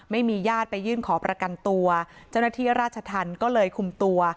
ไม่มีญาติไปยื่นขอประกันตัวเจ้าหน้าที่ราชธรรมก็เลยคุมตัว